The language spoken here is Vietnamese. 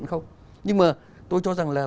nhưng mà tôi cho rằng là